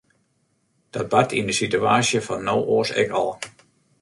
Dat bart yn de situaasje fan no oars ek al.